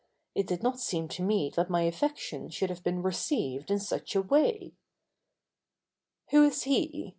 It did not seem to me that my affection should have been received in such a way. "Who is he?"